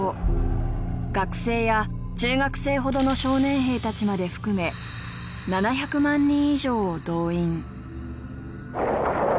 学生や中学生ほどの少年兵たちまで含め７００万人以上を動員。